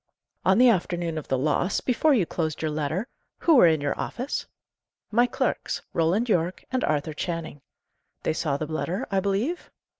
"On the afternoon of the loss, before you closed your letter, who were in your office?" "My clerks Roland Yorke and Arthur Channing." "They saw the letter, I believe?"